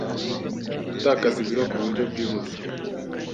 Gutakaza ibiro ku buryo bwihuse